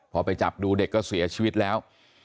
พอไปจับดูเด็กก็เสียชีวิตแล้ว